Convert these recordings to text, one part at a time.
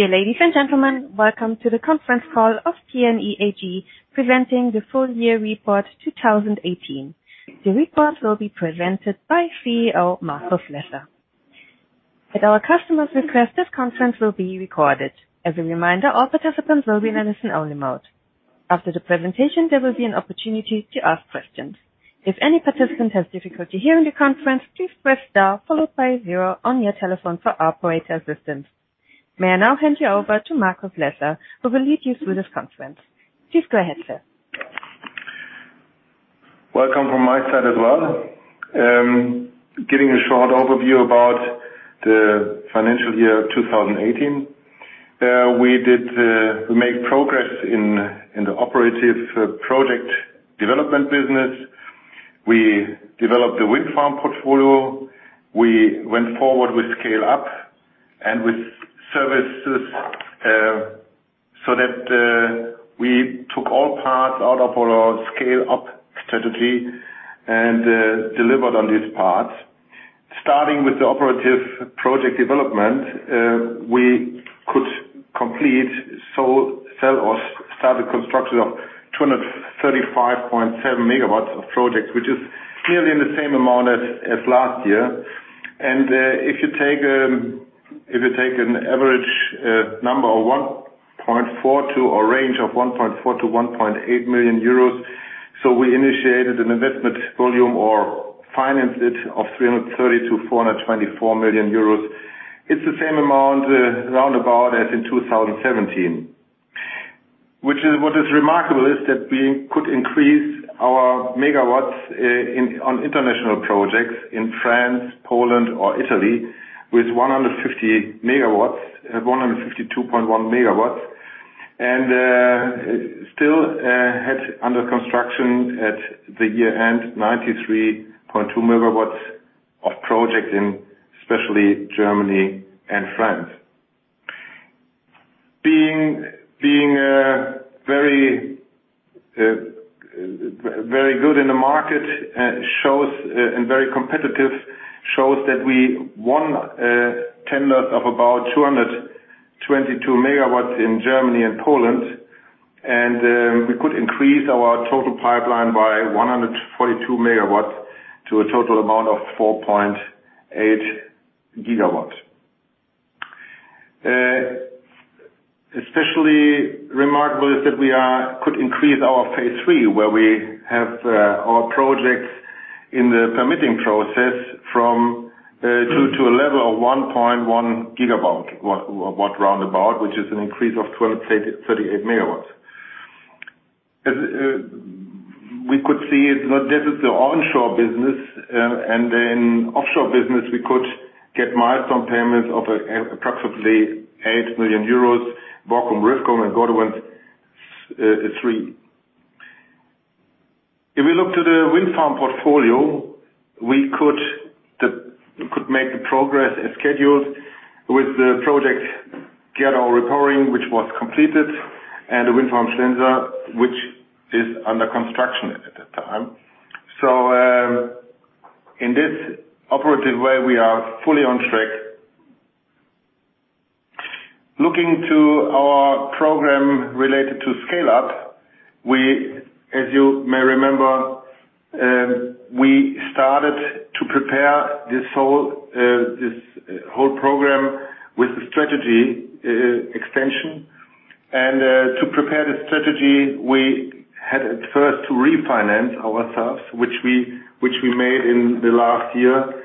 Dear ladies and gentlemen, welcome to the Conference Call of PNE AG, presenting the full year report 2018. The report will be presented by CEO, Markus Lesser. At our customer's request, this conference will be recorded. As a reminder, all participants will be in listen-only mode. After the presentation, there will be an opportunity to ask questions. If any participant has difficulty hearing the conference, please press star followed by zero on your telephone for operator assistance. May I now hand you over to Markus Lesser, who will lead you through this conference. Please go ahead, sir. Welcome from my side as well. Giving a short overview about the financial year 2018. We made progress in the operative project development business. We developed the wind farm portfolio. We went forward with scale-up and with services, that we took all parts out of our scale-up strategy and delivered on these parts. Starting with the operative project development, we could complete, sell, or start the construction of 235.7 MW of projects, which is clearly in the same amount as last year. If you take an average number of 1.4 to a range of 1.4 to 1.8 million euros, we initiated an investment volume or financed it of 330 million-424 million euros. It's the same amount, round about, as in 2017. What is remarkable is that we could increase our megawatts on international projects in France, Poland, or Italy with 150 MW, 152.1 MW, and still had under construction at the year-end, 93.2 MW of projects in, especially Germany and France. Being very good in the market and very competitive shows that we won tenders of about 222 MW in Germany and Poland, and we could increase our total pipeline by 142 MW to a total amount of 4.8 GW. Especially remarkable is that we could increase our phase III, where we have our projects in the permitting process from two to a level of 1.1 GW, round about, which is an increase of 1238 MW. We could see this is the onshore business, then offshore business, we could get milestone payments of approximately 8 million euros, Borkum Riffgrund and Gode Wind 3. If we look to the wind farm portfolio, we could make the progress as scheduled with the project, Gedser Repowering, which was completed, and the wind farm Stenss, which is under construction at the time. In this operative way, we are fully on track. Looking to our program related to scale-up, as you may remember, we started to prepare this whole program with the strategy extension. To prepare the strategy, we had at first to refinance ourselves, which we made in the last year.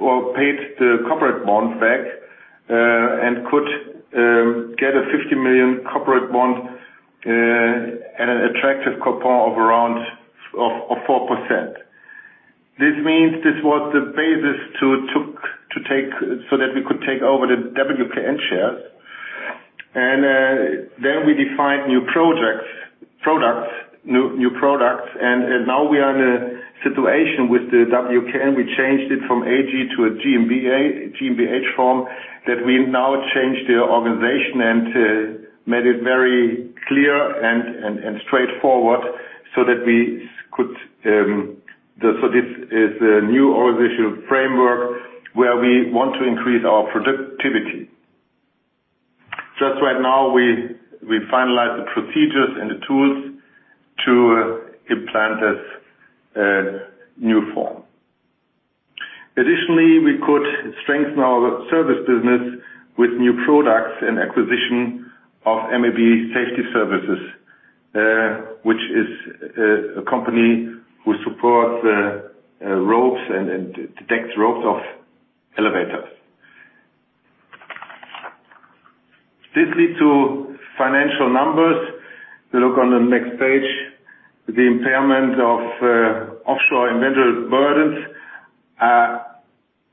Well, paid the corporate bond back, could get a 50 million corporate bond at an attractive coupon of 4%. This means this was the basis that we could take over the WKN shares, then we defined new products. Now we are in a situation with the WKN. We changed it from AG to a GmbH form. We now changed the organization and made it very clear and straightforward so that we could. This is a new organizational framework where we want to increase our productivity. Just right now, we finalized the procedures and the tools to implement this new form. Additionally, we could strengthen our service business with new products and acquisition of MAB Safety Services, which is a company who supports ropes and detects ropes of elevators. This led to financial numbers. We look on the next page, the impairment of offshore and rental burdens.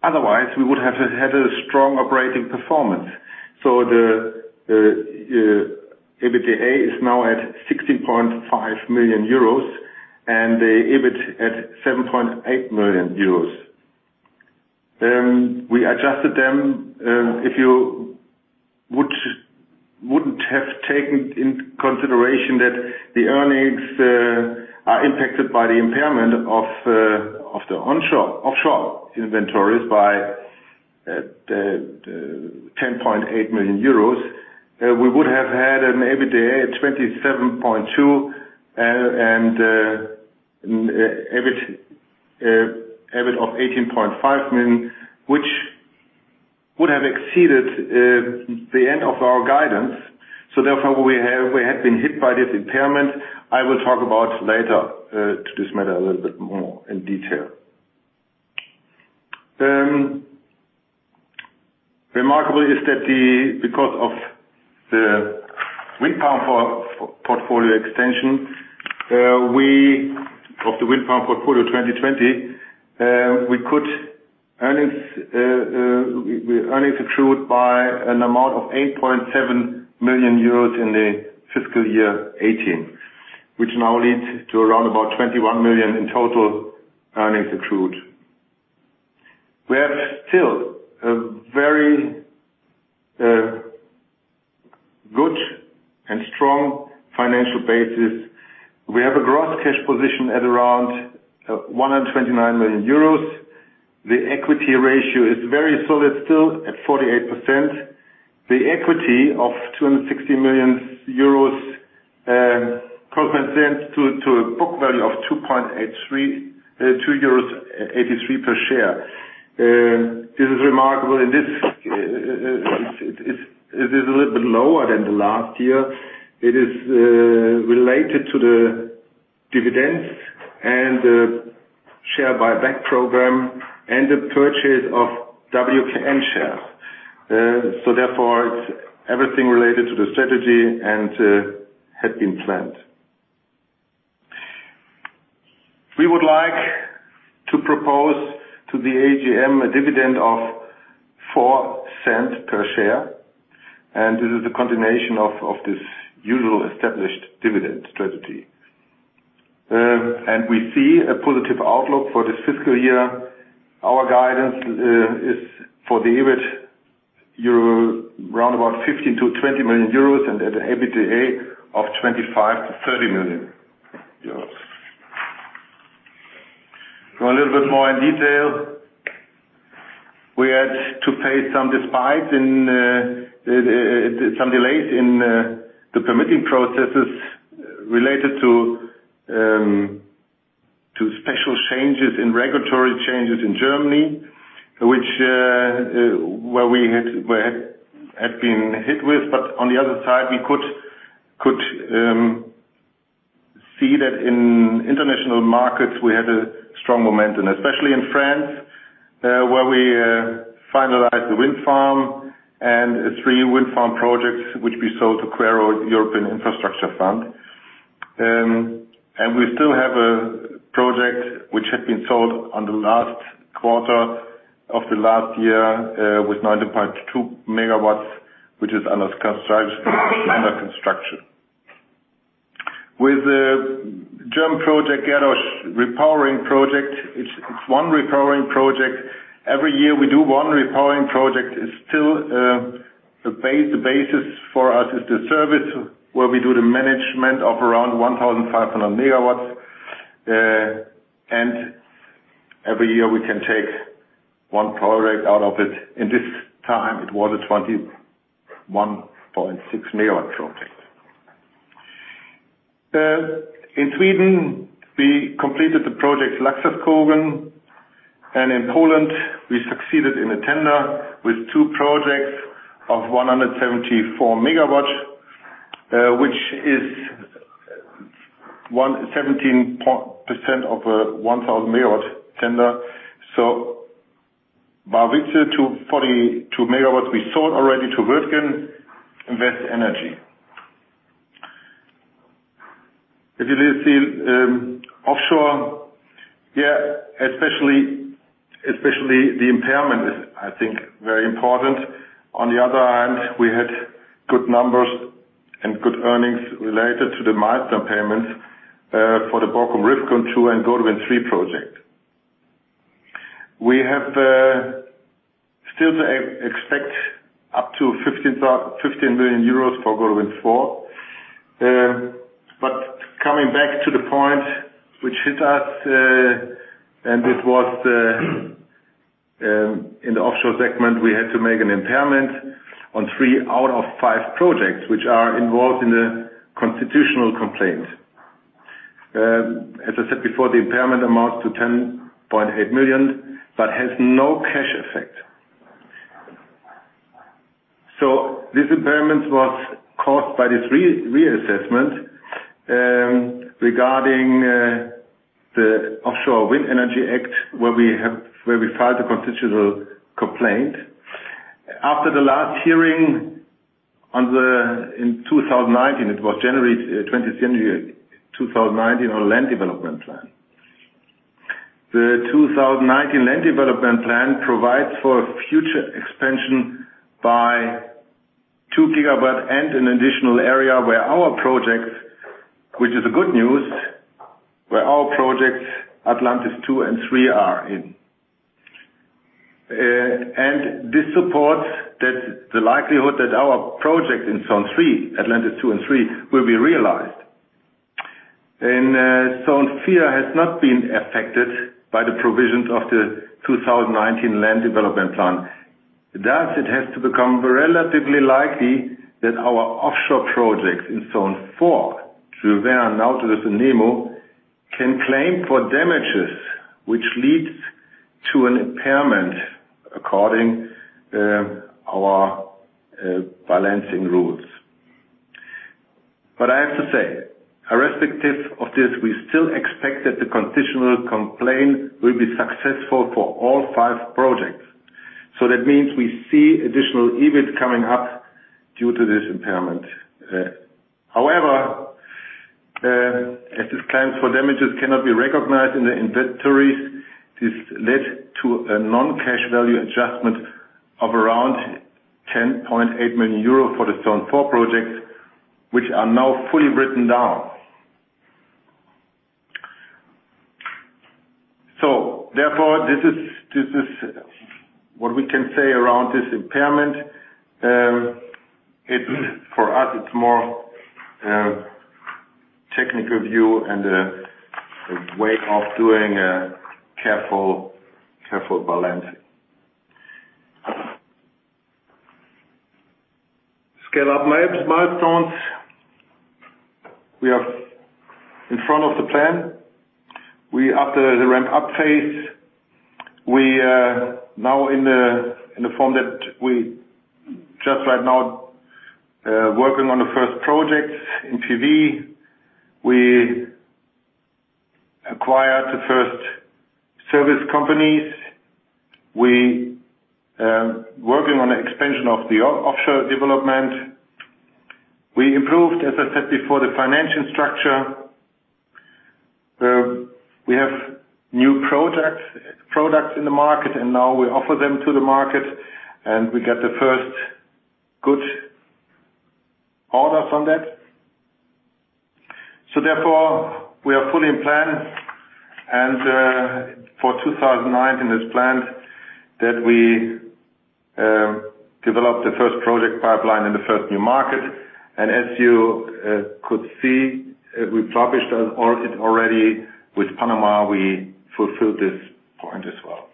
Otherwise, we would have had a strong operating performance. The EBITDA is now at 16.5 million euros and the EBIT at 7.8 million euros. We adjusted them, if you wouldn't have taken into consideration that the earnings are impacted by the impairment of the offshore inventories by 10.8 million euros. We would have had an EBITDA at 27.2 million and EBIT of 18.5 million, which would have exceeded the end of our guidance. Therefore, we have been hit by this impairment. I will talk about later to this matter a little bit more in detail. Remarkable is that because of the wind power portfolio extension, of the wind power portfolio 2020, we earnings accrued by an amount of 8.7 million euros in the fiscal year 2018, which now leads to around about 21 million in total earnings accrued. We have still a very good and strong financial basis. We have a gross cash position at around 129 million euros. The equity ratio is very solid, still at 48%. The equity of 260 million euros corresponds to a book value of 2.83 per share. This is remarkable, and it is a little bit lower than the last year. It is related to the dividends and the share buyback program and the purchase of WKN shares. Therefore, everything related to the strategy and had been planned. We would like to propose to the AGM a dividend of 0.04 per share, and this is the continuation of this usual established dividend strategy. We see a positive outlook for this fiscal year. Our guidance is for the EBIT, around about 15 million-20 million euros and at EBITDA of 25 million-30 million euros. A little bit more in detail. We had to face some delays in the permitting processes related to special changes in regulatory changes in Germany, which we had been hit with. On the other side, we could see that in international markets, we had a strong momentum, especially in France, where we finalized the wind farm and three wind farm projects, which we sold to Quaero European Infrastructure Fund. We still have a project which had been sold on the last quarter of the last year with 90.2 MW, which is under construction. With the German project, Gerdau Repowering project, it's one repowering project. Every year we do one repowering project. It's still the basis for us is the service where we do the management of around 1,500 MW. Every year we can take one project out of it. In this time, it was a 21.6 MW project. In Sweden, we completed the project, Laxåskogen, and in Poland, we succeeded in a tender with two projects of 174 MW, which is 17% of a 1,000 MW tender. By which the 242 MW we sold already to Wirtgen Invest Energy GmbH. If you see offshore, especially the impairment is, I think, very important. On the other hand, we had good numbers and good earnings related to the milestone payments for the Borkum Riffgrund 2 and Gode Wind 3 project. We have still to expect up to 15 million euros for Gode Wind 4. Coming back to the point which hit us, and it was in the offshore segment, we had to make an impairment on three out of five projects which are involved in a constitutional complaint. As I said before, the impairment amounts to 10.8 million, but has no cash effect. This impairment was caused by this reassessment regarding the Offshore Wind Energy Act, where we filed a constitutional complaint. After the last hearing in 2019, it was January 20th, 2019, on land development plan. The 2019 land development plan provides for a future expansion by 2 GW and an additional area where our project, which is a good news, where our project, Atlantis 2 and 3 are in. This supports the likelihood that our project in Zone 3, Atlantis 2 and 3, will be realized. Zone 4 has not been affected by the provisions of the 2019 land development plan. It has to become relatively likely that our offshore projects in Zone 4, Jules Verne and now with Nemo, can claim for damages, which leads to an impairment according our balancing rules. I have to say, irrespective of this, we still expect that the conditional complaint will be successful for all five projects. That means we see additional EBIT coming up due to this impairment. As these claims for damages cannot be recognized in the inventories, this led to a non-cash value adjustment of around 10.8 million euro for the Zone 4 projects, which are now fully written down. Therefore, this is what we can say around this impairment. For us, it's more a technical view and a way of doing a careful balancing. Scale up milestones. We are in front of the plan. We are after the ramp-up phase. We are now in the form that we just right now are working on the first project in PV. We acquired the first service companies. We are working on the expansion of the offshore development. We improved, as I said before, the financial structure, where we have new products in the market, and now we offer them to the market, and we get the first good orders from that. Therefore, we are fully in plan. For 2019, it's planned that we develop the first project pipeline in the first new market. As you could see, we published it already with Panama, we fulfilled this point as well.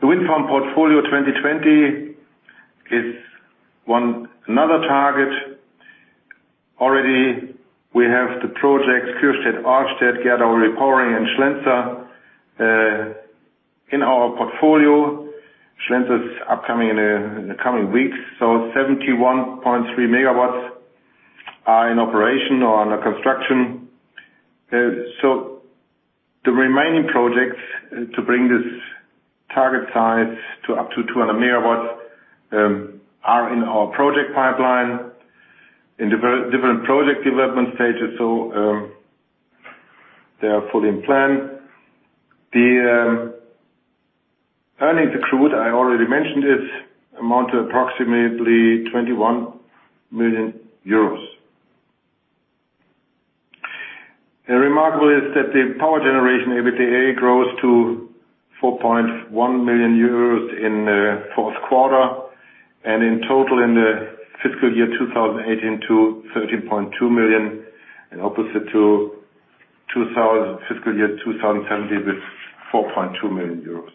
The wind farm portfolio 2020 is another target. Already, we have the projects, Kuhstedt, Arzdett, Gerdau Repowering, and Schlenzer in our portfolio. Schlenzer is upcoming in the coming weeks. 71.3 MW are in operation or under construction. The remaining projects to bring this target size to up to 200 MW are in our project pipeline in different project development stages, so they are fully in plan. The earnings accrued, I already mentioned it, amount to approximately EUR 21 million. Remarkable is that the power generation EBITDA grows to 4.1 million euros in the fourth quarter, and in total in FY 2018 to 13.2 million, and opposite to FY 2017 with 4.2 million euros.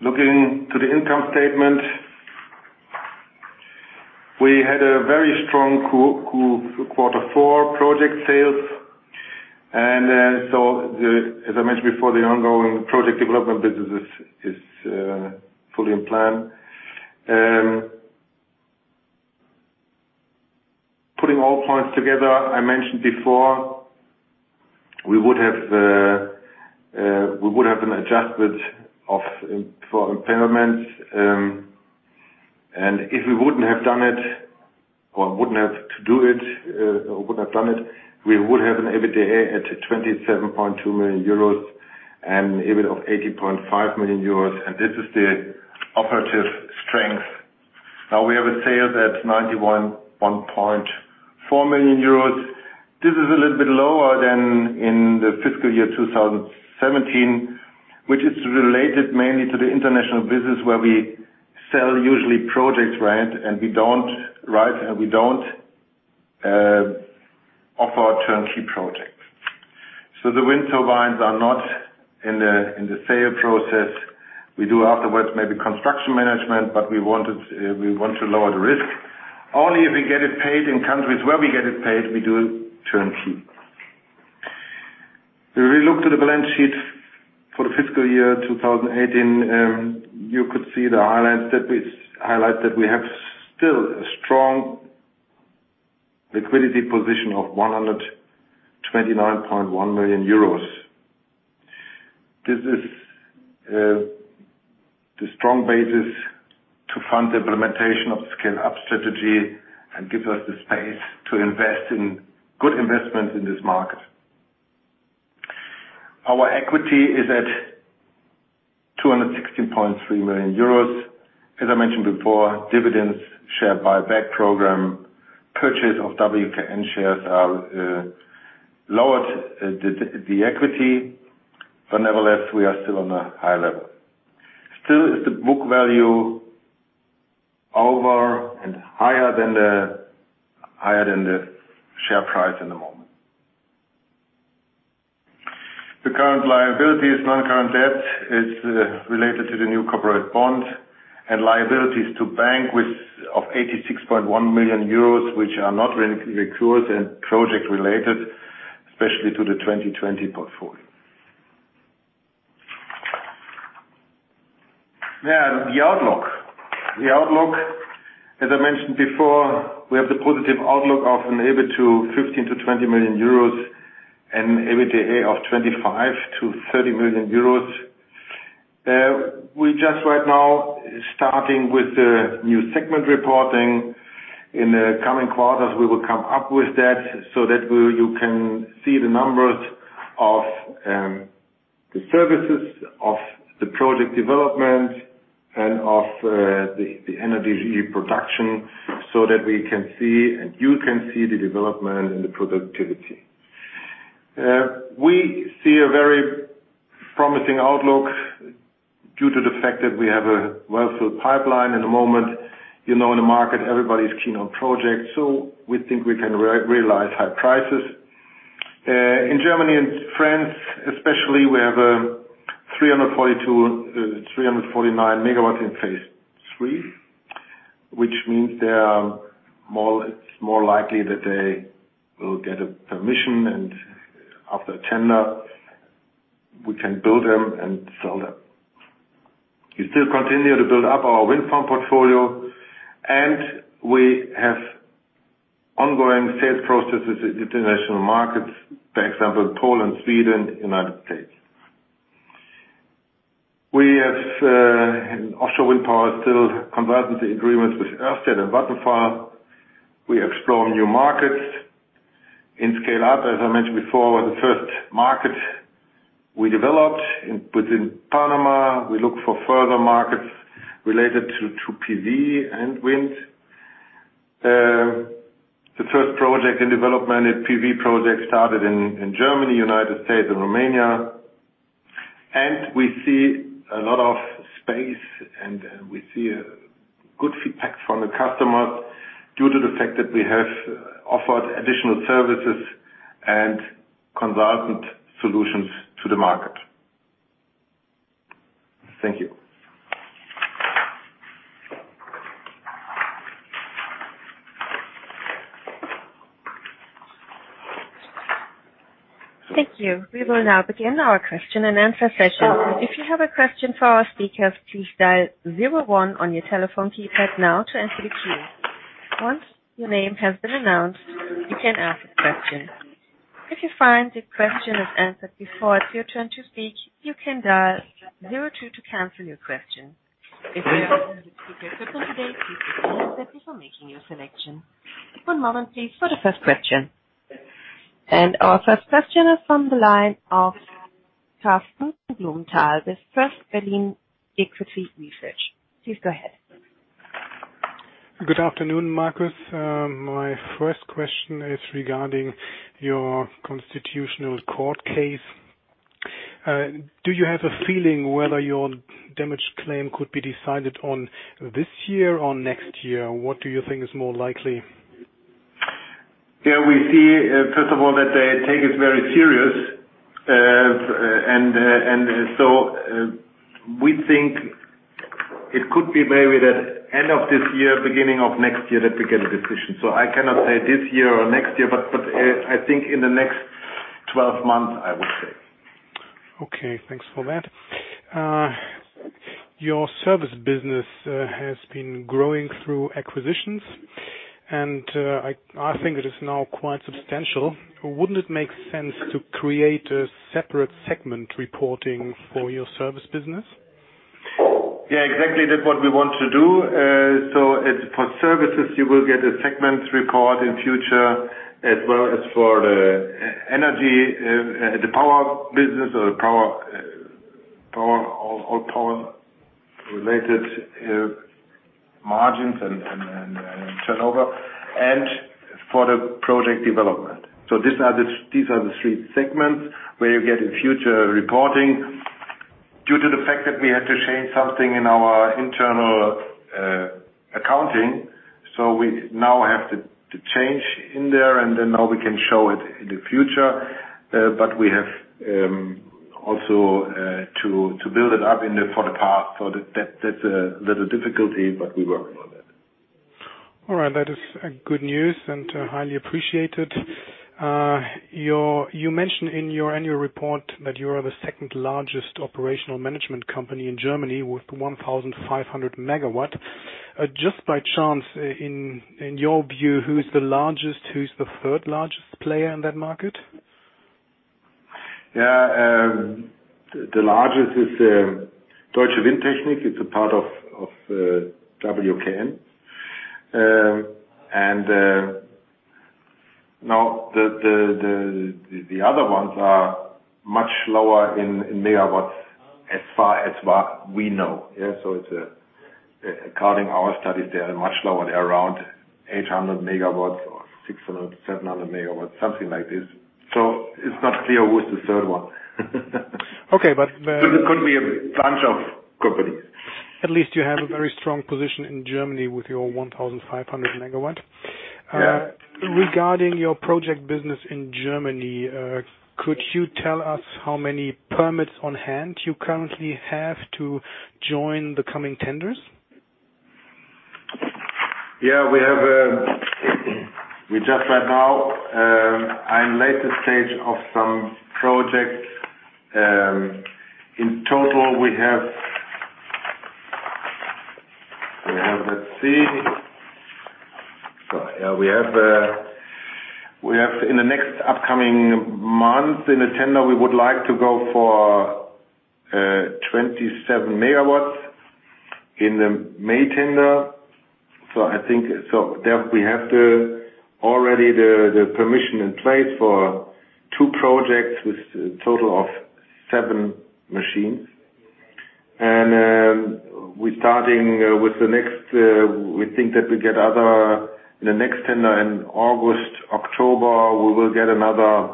Looking to the income statement, we had a very strong quarter four project sales. As I mentioned before, the ongoing project development business is fully in plan. Putting all points together, I mentioned before, we would have an adjustment for impairment, and if we wouldn't have done it, or wouldn't have to do it, or wouldn't have done it, we would have an EBITDA at 27.2 million euros and an EBIT of 18.5 million euros, and this is the operative strength. We have a sale that's 91.4 million euros. This is a little bit lower than in FY 2017, which is related mainly to the international business where we sell usually projects, right? We don't offer turnkey projects. The wind turbines are not in the sale process. We do afterwards maybe construction management, but we want to lower the risk. Only if we get it paid in countries where we get it paid, we do turnkey. If we look to the balance sheet for FY 2018, you could see the highlight that we have still a strong liquidity position of 129.1 million euros. This is the strong basis to fund the implementation of the scale-up strategy and gives us the space to invest in good investments in this market. Our equity is at 216.3 million euros. As I mentioned before, dividends, share buyback program, purchase of WKN shares have lowered the equity. Nevertheless, we are still on a high level. Still is the book value over and higher than the share price in the moment. The current liability is non-current debt, it's related to the new corporate bond and liabilities to bank of 86.1 million euros, which are not recurring and project related, especially to the 2020 portfolio. The outlook. The outlook, as I mentioned before, we have the positive outlook of an EBIT to 15 million-20 million euros and EBITDA of 25 million-30 million euros. We just right now starting with the new segment reporting. In the coming quarters, we will come up with that so that you can see the numbers of the services, of the project development, and of the energy production, so that we can see, and you can see, the development and the productivity. We see a very promising outlook due to the fact that we have a well-filled pipeline at the moment. You know in the market, everybody's keen on projects, we think we can realize high prices. In Germany and France especially, we have 349 MW in phase 3, which means it's more likely that they will get permission, and after tender, we can build them and sell them. We still continue to build up our wind farm portfolio, we have ongoing sales processes in international markets, for example, Poland, Sweden, U.S. We have offshore wind power still converted to agreements with Ørsted and Vattenfall. We explore new markets. In scale-up, as I mentioned before, the first market we developed in Panama, we look for further markets related to PV and wind. The first project in development, a PV project, started in Germany, U.S., and Romania. We see a lot of space, and we see good feedback from the customers due to the fact that we have offered additional services and consultant solutions to the market. Thank you. Thank you. We will now begin our question and answer session. If you have a question for our speakers, please dial zero one on your telephone keypad now to enter the queue. Once your name has been announced, you can ask a question. If you find the question is answered before it's your turn to speak, you can dial zero two to cancel your question. If you are on the speaker equipment today, please be seated before making your selection. One moment please for the first question. Our first question is from the line of Karsten Blumenthal with First Berlin Equity Research. Please go ahead. Good afternoon, Markus. My first question is regarding your constitutional court case. Do you have a feeling whether your damage claim could be decided on this year or next year? What do you think is more likely? Yeah, we see, first of all, that they take it very serious. We think it could be maybe the end of this year, beginning of next year, that we get a decision. I cannot say this year or next year, but I think in the next 12 months, I would say. Okay, thanks for that. Your service business has been growing through acquisitions, and I think it is now quite substantial. Wouldn't it make sense to create a separate segment reporting for your service business? Yeah, exactly. That's what we want to do. For services, you will get a segment report in future, as well as for the energy, the power business, or power-related margins and turnover, and for the project development. These are the three segments where you get a future reporting due to the fact that we had to change something in our internal accounting. We now have the change in there, now we can show it in the future. We have also to build it up for the past. That's a little difficulty, we work on it. All right. That is good news and highly appreciated. You mentioned in your annual report that you are the second-largest operational management company in Germany with 1,500 MW. Just by chance, in your view, who's the largest, who's the third-largest player in that market? Yeah. The largest is Deutsche Windtechnik. It's a part of WKN. Now, the other ones are much lower in megawatts as far as what we know. According our studies, they are much lower. They are around 800 MW or 600 MW, 700 MW, something like this. It's not clear who is the third one. Okay. It could be a bunch of companies. At least you have a very strong position in Germany with your 1,500 MW. Yeah. Regarding your project business in Germany, could you tell us how many permits on hand you currently have to join the coming tenders? We just right now are in later stage of some projects. In total, we have, let's see. We have in the next upcoming month, in the tender, we would like to go for 27 MW in the May tender. I think there we have already the permission in place for two projects with a total of seven machines. We are starting with the next, we think that we get in the next tender in August, October, we will get another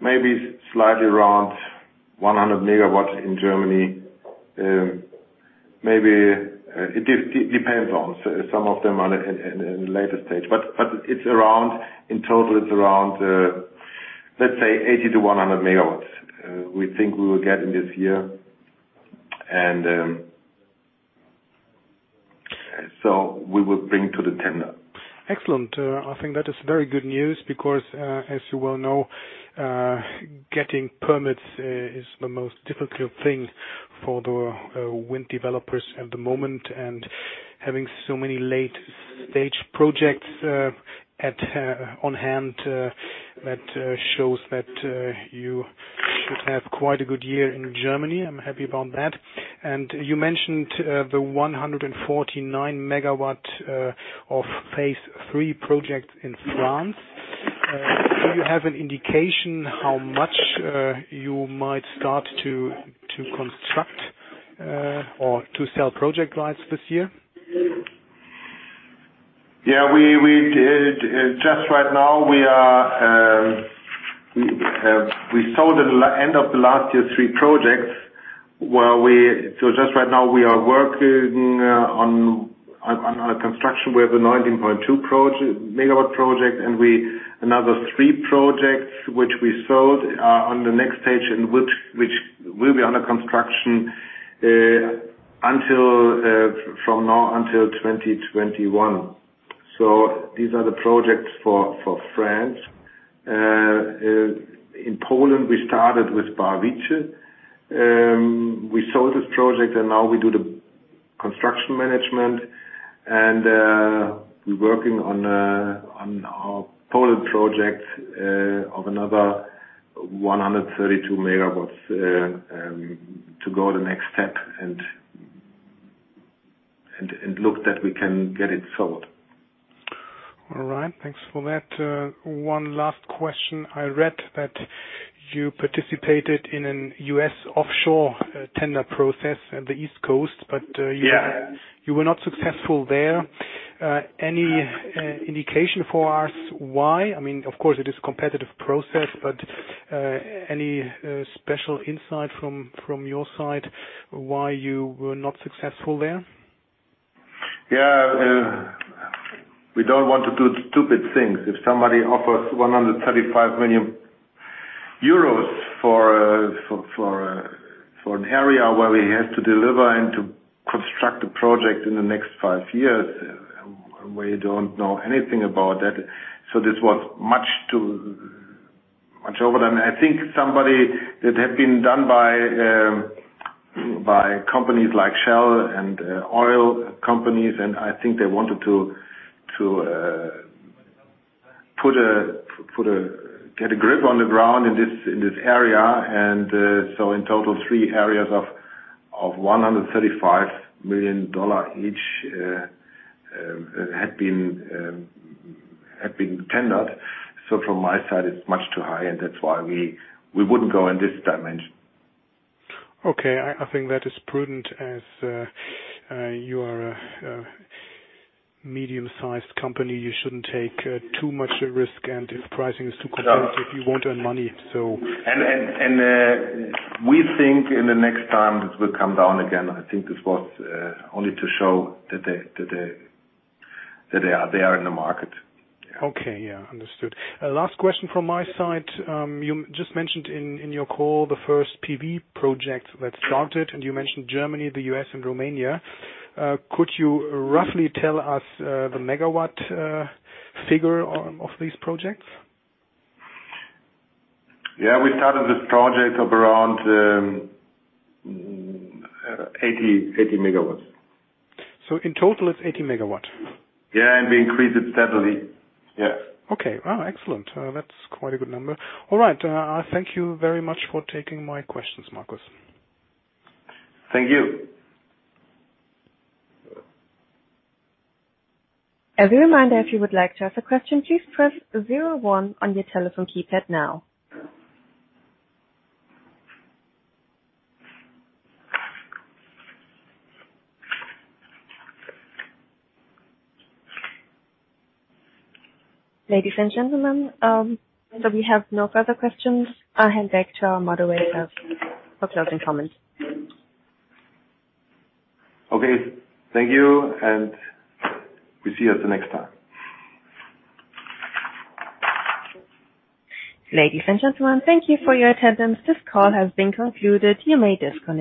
maybe slightly around 100 MW in Germany. It depends on, some of them are in a later stage, but in total it is around, let's say 80 MW-100 MW, we think we will get in this year. We will bring to the tender. Excellent. I think that is very good news because, as you well know, getting permits is the most difficult thing for the wind developers at the moment. Having so many late-stage projects on hand, that shows that you should have quite a good year in Germany. I am happy about that. You mentioned the 149 megawatt of phase III project in France. Do you have an indication how much you might start to construct or to sell project rights this year? Just right now, we sold at end of the last year, three projects. Just right now we are working on a construction. We have a 19.2 MW project. Another three projects which we sold are on the next page, which will be under construction from now until 2021. These are the projects for France. In Poland, we started with Barwice. We sold this project. Now we do the construction management. We are working on our Poland project of another 132 MW to go the next step and look that we can get it sold. All right. Thanks for that. One last question. I read that you participated in an U.S. offshore tender process at the East Coast. Yeah you were not successful there. Any indication for us why? I mean, of course it is competitive process, but any special insight from your side why you were not successful there? Yeah. We don't want to do stupid things. If somebody offers 135 million euros for an area where we have to deliver and to construct a project in the next five years, we don't know anything about that. This was much over. I think somebody that had been done by companies like Shell and oil companies, and I think they wanted to get a grip on the ground in this area. In total, three areas of $135 million each had been tendered. From my side, it's much too high, and that's why we wouldn't go in this dimension. Okay. I think that is prudent. As you are a medium-sized company, you shouldn't take too much risk, and if pricing is too competitive, you won't earn money. We think in the next time, it will come down again. I think this was only to show that they are in the market. Okay. Yeah. Understood. Last question from my side. You just mentioned in your call the first PV project that started. You mentioned Germany, the U.S., and Romania. Could you roughly tell us the megawatt figure of these projects? Yeah, we started this project of around 80 MW. In total, it's 80 MW? Yeah, we increase it steadily. Yeah. Okay. Wow, excellent. That's quite a good number. All right. I thank you very much for taking my questions, Markus. Thank you. As a reminder, if you would like to ask a question, please press zero one on your telephone keypad now. Ladies and gentlemen, we have no further questions. I hand back to our moderator for closing comments. Okay, thank you. We see you at the next time. Ladies and gentlemen, thank you for your attendance. This call has been concluded. You may disconnect.